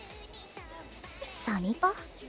サニパ？